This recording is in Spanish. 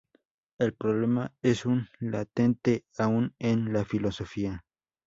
El problema es uno latente aun en la filosofía.